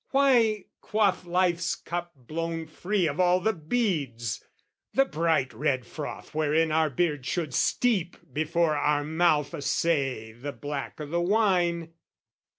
Why quaff life's cup blown free of all the beads, The bright red froth wherein our beard should steep Before our mouth essay the black o' the wine?